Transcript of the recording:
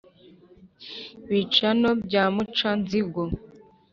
bicano bya muca-nzigo,